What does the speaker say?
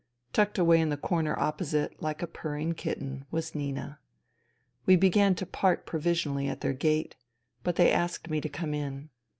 Tucked away in the corner opposite, like a purring kitten, was Nina. We began to part provisionally at their gate ; but they asked me to come in.